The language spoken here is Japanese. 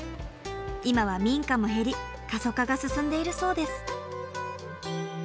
今は民家も減り過疎化が進んでいるそうです。